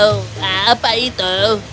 oh apa itu